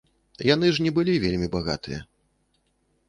Яны ж не былі вельмі багатыя.